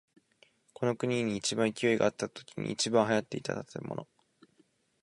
この国に一番勢いがあったときに一番流行っていた建物。